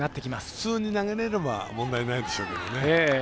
普通に投げれれば問題ないでしょうけどね。